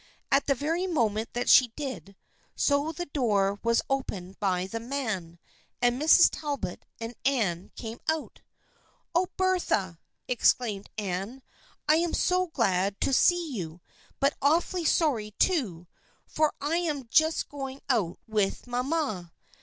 At the very moment that she did so the door was opened by the man, and Mrs. Talbot and Anne came out. " Oh, Bertha !" exclaimed Anne. " I am so glad to see you, but awfully sorry too, for I am just going out with mamma.